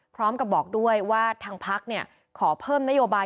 พร้อมกับบอกด้วยว่าทางพักขอเพิ่มนโยบาย